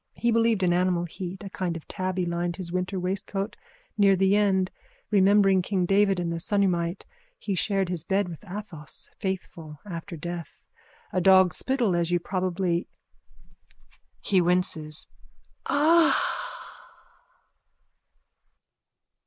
He believed in animal heat. A skin of tabby lined his winter waistcoat. Near the end, remembering king David and the Sunamite, he shared his bed with Athos, faithful after death. A dog's spittle as you probably... (He winces.) Ah!